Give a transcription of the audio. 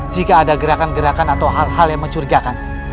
jika ada gerakan gerakan atau hal hal yang mencurigakan